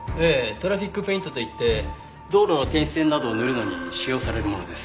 トラフィックペイントといって道路の停止線などを塗るのに使用されるものです。